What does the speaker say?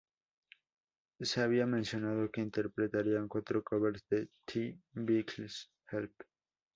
Se había mencionado que interpretarían cuatro covers de The Beatles: "Help!